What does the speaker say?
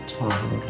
selalu duduk ya